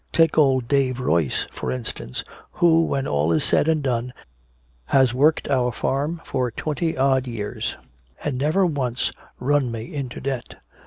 Take old Dave Royce, for instance, who when all is said and done has worked our farm for twenty odd years and never once run me into debt."